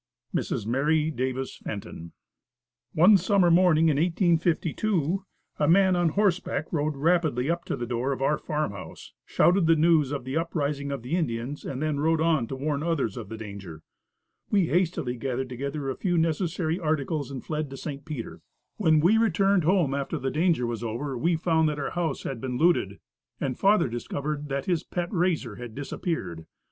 Mrs. Mary Davis Fenton. One summer morning in 1852, a man on horseback rode rapidly up to the door of our farm house, shouted the news of the uprising of the Indians, and then rode on to warn others of the danger. We hastily gathered together a few necessary articles, and fled to St. Peter. When we returned home after the danger was over, we found that our house had been looted, and father discovered that his pet razor had disappeared.